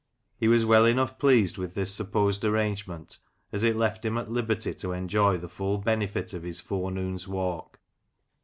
He was well enough pleased with this supposed arrangement, as it left him at liberty to enjoy the full benefit of his forenoon's walk.